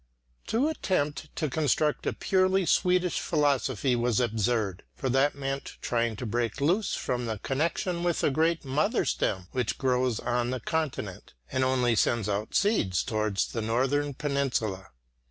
To attempt to construct a purely Swedish philosophy was absurd, for that meant trying to break loose from the connection with the great mother stem which grows on the Continent and only sends out seeds towards the Northern peninsula.